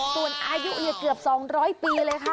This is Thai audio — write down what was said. ส่วนอายุเกือบ๒๐๐ปีเลยค่ะ